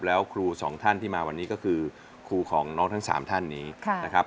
แล้วครูสองท่านที่มาวันนี้ก็คือครูของน้องทั้ง๓ท่านนี้นะครับ